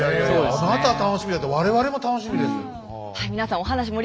あなた楽しみだけど我々も楽しみです。